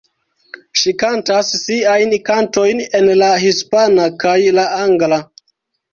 Ŝi kantas siajn kantojn en la hispana kaj la angla.